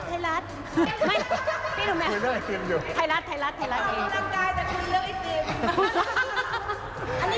พี่ดูแม่